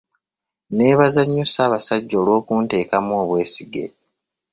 Nneebaza nnyo Ssaabasajja olw'okunteekamu obwesige.